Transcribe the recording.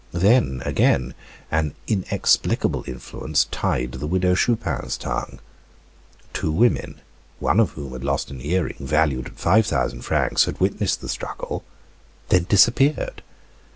Then again, an inexplicable influence tied the Widow Chupin's tongue. Two women, one of whom had lost an earring valued at 5,000 francs, had witnessed the struggle then disappeared.